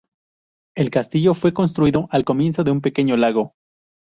El castillo fue construido al comienzo de un pequeño lago.